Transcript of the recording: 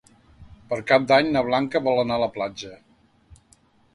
Per Cap d'Any na Blanca vol anar a la platja.